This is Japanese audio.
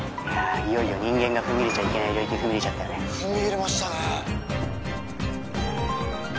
いよいよ人間が踏み入れちゃいけない領域踏み入れちゃったね踏み入れましたね